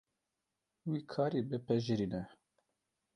Vî karî bipejirîne.